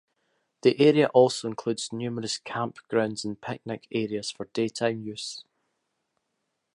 The area also includes numerous campgrounds and picnic areas for daytime use.